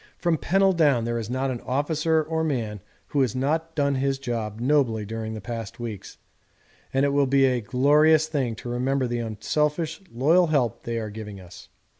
From Pennell down there is not an officer or man who has not done his job nobly during the past weeks, and it will be a glorious thing to remember the unselfish loyal help they are giving us.